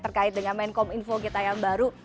terkait dengan menkom info kita yang baru